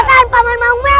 makan paman mau milk